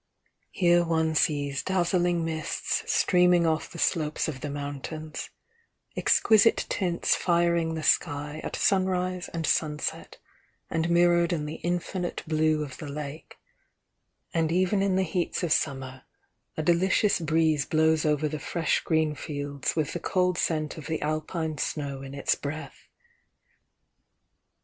Here one sees dazzling mists streaming o£E the slopes of the mountains, — exquisite tints firing the sky at sunrise and sunset, and mirrored in the infinite blue of the lake, — and even in the heats of summer, a delicious breeze blows over the fresh green fields with the cold scent of the Alpine snow in its breath.